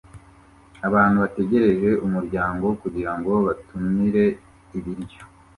Abantu bategereje umurongo kugirango batumire ibiryo